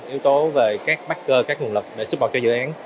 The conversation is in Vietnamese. yếu tố về các backer các nguồn lực để support cho dự án